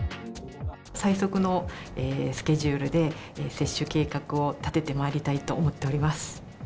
最速のスケジュールで、接種計画を立ててまいりたいと思っております。